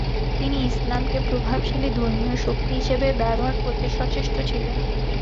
তিনি ইসলাম কে প্রভাবশালী ধর্মীয় শক্তি হিসাবে ব্যবহার করতে সচেষ্ট ছিলেন।